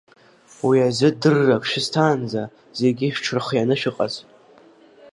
Уи азы дыррак шәысҭаанӡа зегьы шәҽырхианы шәыҟаз…